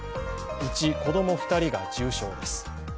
うち子供２人が重傷です。